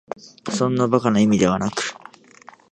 そんな馬鹿な意味ではなく、